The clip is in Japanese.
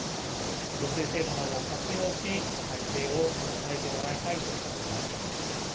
助成制度などを活用し体制を整えてもらいたいと思います。